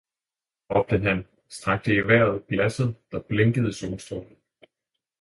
raabte han, strakte i Veiret Glasset, der blinkede i Solstraalerne.